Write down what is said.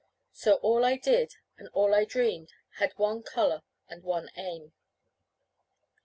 So all I did, and all I dreamed, had one colour and one aim.